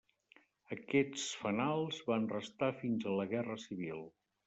Aquests fanals van restar fins a la Guerra Civil.